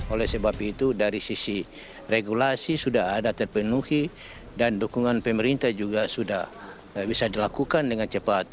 oleh sebab itu dari sisi regulasi sudah ada terpenuhi dan dukungan pemerintah juga sudah bisa dilakukan dengan cepat